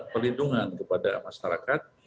perlindungan kepada masyarakat